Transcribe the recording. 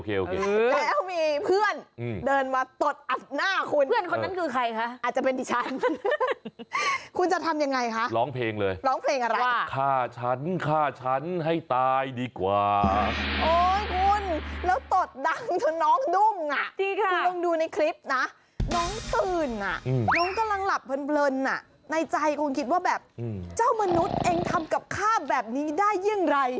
คุณเหมือนว่าคุณนอนเหมือนหมาตัวนี้โอเค